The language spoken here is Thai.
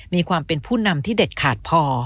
มีความเป็นผู้นำที่เด็ดขาดพอ